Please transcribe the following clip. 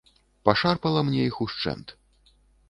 Пашарпала мне іх ушчэнт.